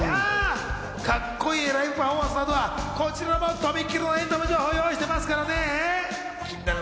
カッコいいライブパフォーマンスの後はこちらもとびきりのエンタメ情報を用意してますからね。